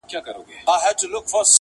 چي پیر مو سو ملګری د شیطان څه به کوو؟٫